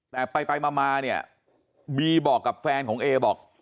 แต่ไปมาเนี่ยบีบอกกับแฟนของเอบอก